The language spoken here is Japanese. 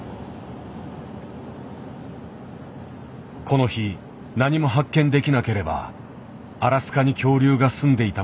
この日何も発見できなければアラスカに恐竜が住んでいた事はまだ証明できない。